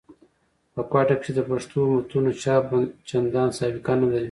په کوټه کښي د پښتو متونو چاپ چندان سابقه نه لري.